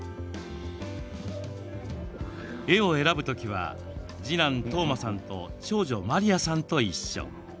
絵を選ぶ時は次男、統真さんと長女、真璃愛さんと一緒。